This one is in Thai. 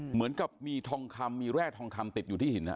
เหมือนกับมีแร่ทองคำติดอยู่ที่หิน